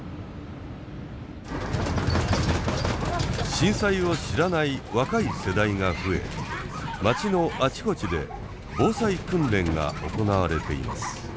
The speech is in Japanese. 震災を知らない若い世代が増え町のあちこちで防災訓練が行われています。